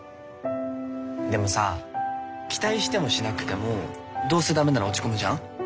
でもさ期待してもしなくてもどうせダメなら落ち込むじゃん？